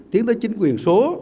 tiến tới chính quyền số